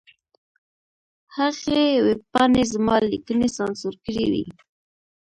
هغې ویبپاڼې زما لیکنې سانسور کړې وې.